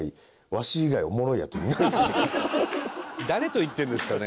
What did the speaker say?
誰と行ってるんですかね？